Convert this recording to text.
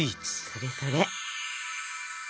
それそれ！